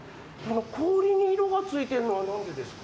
氷に色がついているのは何でですか。